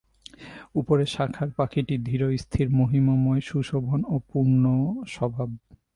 উপরের শাখার পাখীটি ধীর স্থির মহিমময় সুশোভন ও পূর্ণস্বভাব।